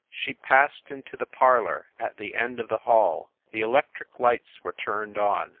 She passed into the parlor, at the end of the hall; the electric lights were turned on.